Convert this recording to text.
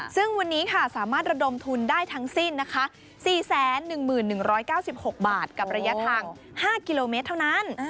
ซึ่งวันนี้ค่ะสามารถระดมทุนได้ทั้งสิ้นนะคะ๔๑๑๙๖บาทกับระยะทาง๕กิโลเมตรเท่านั้น